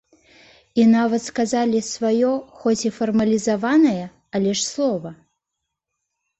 І нават сказалі сваё хоць і фармалізаванае, але ж слова.